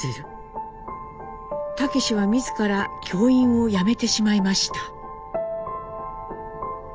武は自ら教員を辞めてしまいました。